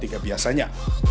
trip pada umumnya